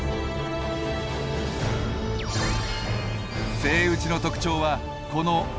セイウチの特徴はこの大きな牙。